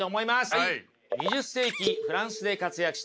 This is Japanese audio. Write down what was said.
はい。